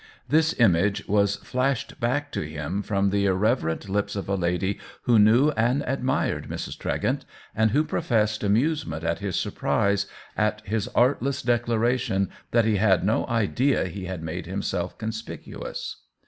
This image THE WHEEL OF TIME *8l was flashed back to him from the irreverent lips of a lady who knew and admired Mrs. Tregent, and who professed amusement at his surprise, at his artless declaration that he had no idea he had made himself conspicu ous.